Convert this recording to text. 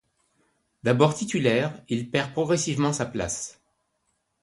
D'abord titulaire, il perd progressivement sa place.